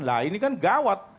lah ini kan gawat